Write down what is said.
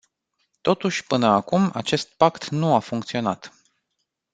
Totuși, până acum, acest pact nu a funcționat.